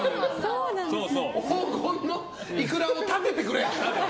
黄金のイクラを立ててくれ！